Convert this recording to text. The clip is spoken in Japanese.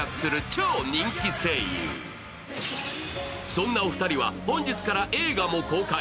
そんなお二人は、本日から映画も公開。